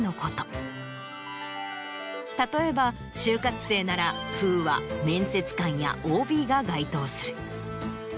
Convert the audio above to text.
例えば就活生ならＷＨＯは面接官やＯＢが該当する。